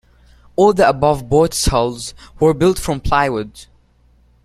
All the above boats' hulls were built from plywood.